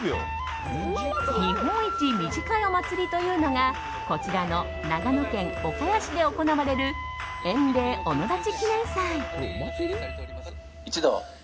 日本一短いお祭りというのがこちらの長野県岡谷市で行われる塩嶺御野立記念祭。